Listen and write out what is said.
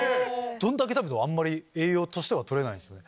どんだけ食べても栄養としては取れないんですよね。